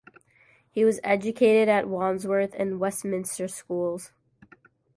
He was educated at Wandsworth and Westminster Schools.